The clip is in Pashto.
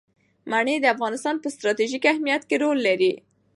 منی د افغانستان په ستراتیژیک اهمیت کې رول لري.